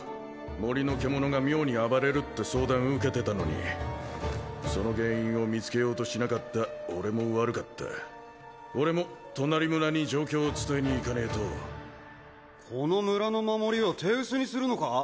森の獣が妙に暴れるって相談受けてたのにその原因を見つけようとしなかった俺も悪かった俺も隣村に状況を伝えに行かねえとこの村の守りを手薄にするのか？